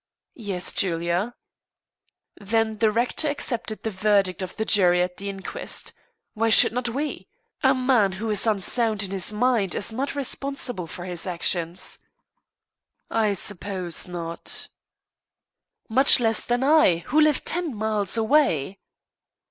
"Yes, Julia." "Then the rector accepted the verdict of the jury at the inquest. Why should not we? A man who is unsound in his mind is not responsible for his actions." "I suppose not." "Much less, then, I who live ten miles away."